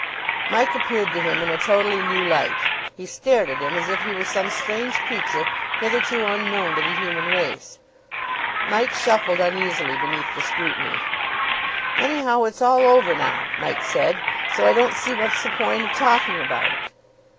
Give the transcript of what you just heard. Mike appeared to him in a totally new light. He stared at him as if he were some strange creature hitherto unknown to the human race. Mike shuffled uneasily beneath the scrutiny. "Anyhow, it's all over now," Mike said, "so I don't see what's the point of talking about it."